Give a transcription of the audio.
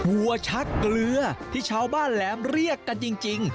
วัวชักเกลือที่ชาวบ้านแหลมเรียกกันจริง